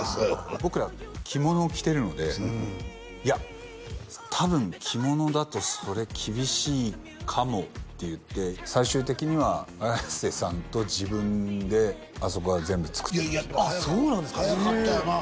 僕ら着物を着てるのでいや多分着物だとそれ厳しいかもって言って最終的には綾瀬さんと自分であそこは全部作ってましたああそうなんですか速かったよな